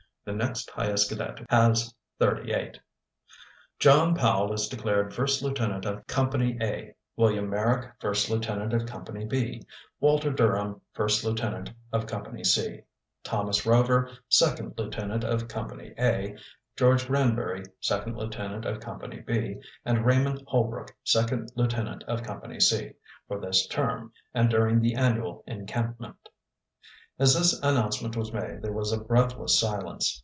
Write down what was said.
"The next highest cadet has 38. "John Powell is declared first lieutenant of Company A, William Merrick first lieutenant of Company B, Walter Durham first lieutenant of Company C, Thomas Rover second lieutenant of Company A, George Granbury second lieutenant of Company B, and Raymond Hollbrook second lieutenant of Company C, for this term and during the annual encampment." As this announcement was made there was a breathless silence.